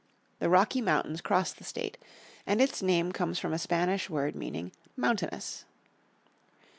The Rocky Mountains cross the state, and its name comes from a Spanish word meaning "mountainous."